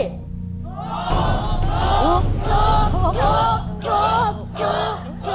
ถูก